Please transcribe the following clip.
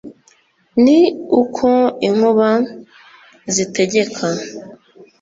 Ni uko inkuba zitegeka